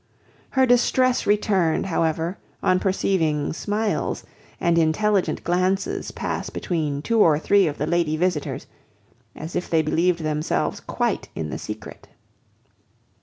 Her distress returned, however, on perceiving smiles and intelligent glances pass between two or three of the lady visitors, as if they believed themselves quite in the secret.